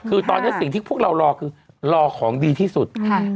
คือตอนนี้สิ่งที่พวกเรารอคือรอของดีที่สุด